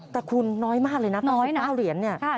แต่คุณน้อยมากเลยนะ๙เหรียญเนี่ย